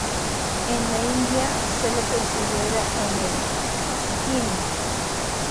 En la India se lo considera el de Sikkim.